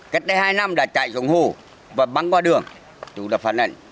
cách đây hai năm đã chạy xuống hồ và băng qua đường chúng đã phản ảnh